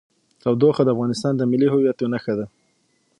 تودوخه د افغانستان د ملي هویت یوه نښه ده.